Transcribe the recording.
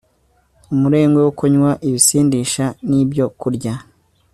Umurengwe wo kunywa ibisindisha nibyokurya